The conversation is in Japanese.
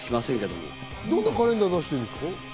僕もカレンダーを出してるんですよ。